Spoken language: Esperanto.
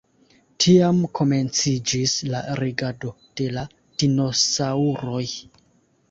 Tiam komenciĝis la regado de la dinosaŭroj.